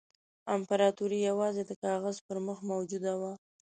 امپراطوري یوازې د کاغذ پر مخ موجوده وه.